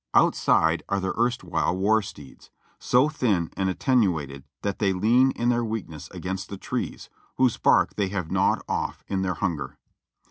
Outside are the erstwhile war steeds, so thin and attenuated that they lean in their weakness against the trees, whose bark they have gnawed off in their hunger.